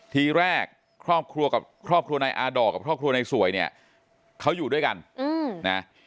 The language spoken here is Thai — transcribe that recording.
ทีแรกครอบครัวนายอาด่อกับครอบครัวนายสวยเขาอยู่ด้วยกัน